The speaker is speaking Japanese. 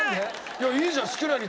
いやいいじゃん。